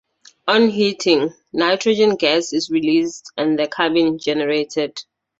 On heating, nitrogen gas is released and the carbene generated.